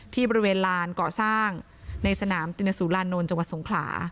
ที่บริเวณลานก่อสร้างในสนามตินสุรานนท์จังหวัดสงขลา